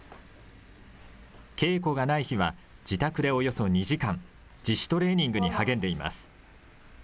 稽古がない日は、自宅でおよそ２時間、自主トレーニングに励んでいます。